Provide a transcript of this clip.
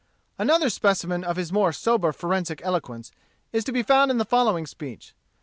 Another specimen of his more sober forensic eloquence is to be found in the following speech.